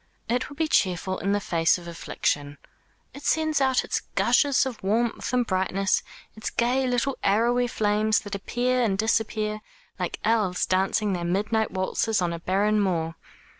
It will be cheerful in the face of affliction. It sends out its gushes of warmth and brightness, its gay little arrowy flames that appear and disappear like elves dancing their midnight waltzes on a barren moor.